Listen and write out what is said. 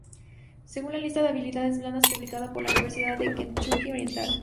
Según la lista de habilidades blandas publicada por la Universidad de Kentucky Oriental.